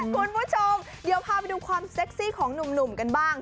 คุณผู้ชมเดี๋ยวพาไปดูความเซ็กซี่ของหนุ่มกันบ้าง